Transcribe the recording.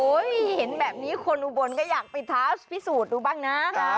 เห็นแบบนี้คนอุบลก็อยากไปท้าพิสูจน์ดูบ้างนะ